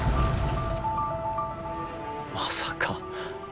まさか。